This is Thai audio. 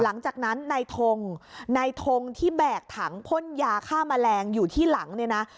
หลังจากนั้นนายทงนายทงที่แบกถังพ่นยาฆ่าแมลงอยู่ที่หลังเนี่ยนะ